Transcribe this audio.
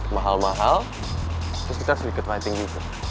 mahal mahal terus kita harus diketuai tinggi